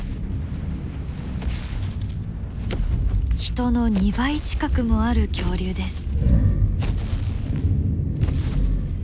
人の２倍近くもある恐竜です。